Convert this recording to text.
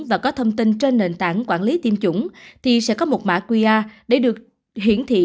và có thông tin trên nền tảng quản lý tiêm chủng thì sẽ có một mã qr để được hiển thị